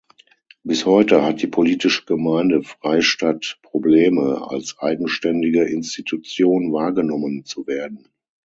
Bis heute hat die politische Gemeinde Freistatt Probleme, als eigenständige Institution wahrgenommen zu werden.